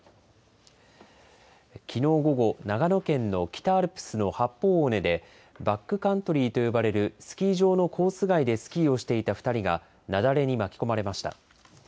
きのう午後、長野県の北アルプスの八方尾根で、バックカントリーと呼ばれるスキー場のコース外でスキーをしていた２人が雪崩に巻き込まれました。